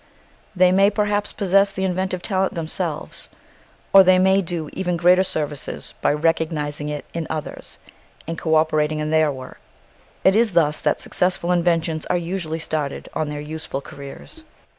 They may perhaps possess the inventive talent themselves, or they may do even greater services by recognising it in others and co operating in their work. It is thus that successful inventions are usually started on their useful careers.